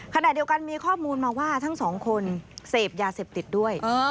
ขณะเดียวกันมีข้อมูลมาว่าทั้งสองคนเสพยาเสพติดด้วย